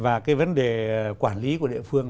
và cái vấn đề quản lý của địa phương